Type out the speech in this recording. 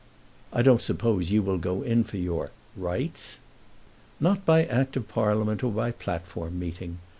"I don't suppose you will go in for your 'rights'." "Not by Act of Parliament, or by platform meeting.